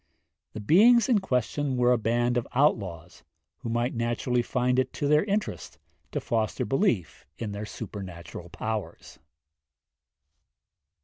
The beings in question were a band of outlaws, who might naturally find it to their interest to foster belief in their supernatural powers.